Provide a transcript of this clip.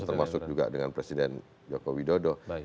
termasuk juga dengan presiden joko widodo